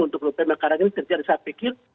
untuk lupainya karena ini terjadi saya pikir